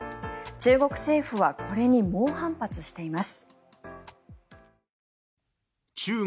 中国政府はこれに猛反発しています。